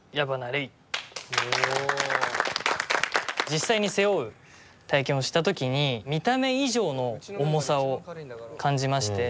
実際に背負う体験をした時に見た目以上の重さを感じまして。